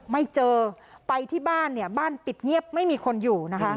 ไม่เจอไปที่บ้านเนี่ยบ้านปิดเงียบไม่มีคนอยู่นะคะ